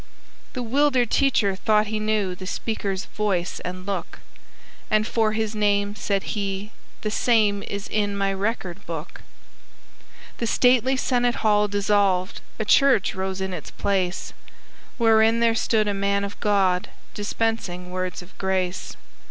The 'wildered teacher thought he knew The speaker's voice and look, "And for his name," said he, "the same Is in my record book." The stately Senate hall dissolved, A church rose in its place, Wherein there stood a man of God, Dispensing words of grace.